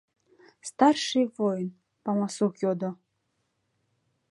— старший воин, памусук йодо.